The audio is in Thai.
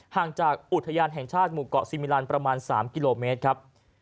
ห่างจากอุทยานแห่งชาติหมู่เกาะซีมิลันประมาณ๓กิโลเมตรครับ